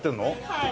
はい。